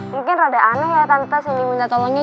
mungkin rada aneh ya tante sindi minta tolongnya